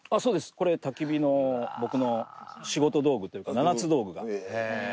これ焚き火の僕の仕事道具というか七つ道具が色々入ってます。